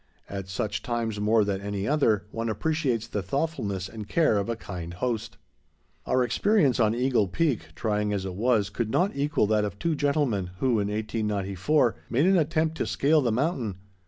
At such times, more than at any other, one appreciates the thoughtfulness and care of a kind host. Our experience on Eagle Peak, trying as it was, could not equal that of two gentlemen who, in 1894, made an attempt to scale the mountain.